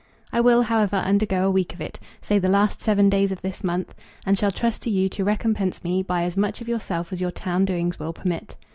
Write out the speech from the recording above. I will, however, undergo a week of it, say the last seven days of this month, and shall trust to you to recompense me by as much of yourself as your town doings will permit.